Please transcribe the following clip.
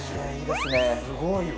すごいわ。